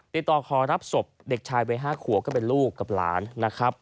ติดต่อขอรับศพเด็กชายวัย๕ขวบก็เป็นลูกกับหลานนะครับ